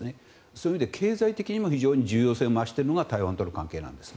そういう意味で、経済的にも重要な意味を増しているのが台湾との関係なんです。